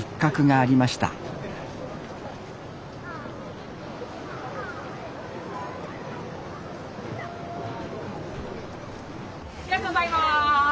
ありがとうございます。